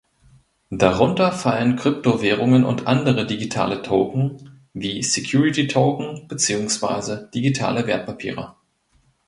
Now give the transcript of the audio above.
Darunter fallen Kryptowährungen und andere digitale Token (wie "Security Token" beziehungsweise "digitale Wertpapiere").